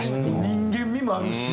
人間味もあるし。